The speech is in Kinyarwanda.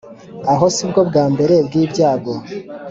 aho si bwo bwa mbere bw’ibyago